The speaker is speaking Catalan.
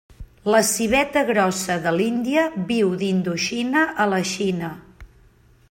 La civeta grossa de l'Índia viu d'Indoxina a la Xina.